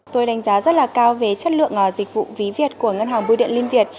tôi đánh giá rất là cao về chất lượng dịch vụ ví việt của ngân hàng bưu điện liên việt